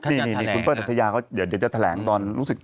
คุณเปิ้ลศัฒนาธยานี่เป็นคุณเปิ้ลศัฒนาธยาเดี๋ยวจะแทล้งตอนรู้สึก